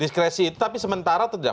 diskresi itu tapi sementara tidak